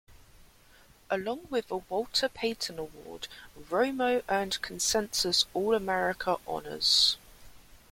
Along with the Walter Payton Award, Romo earned consensus All-America honors.